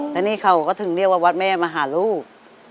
แต่นี่เขาก็ถึงเรียกว่าวัดแม่มาหาลูก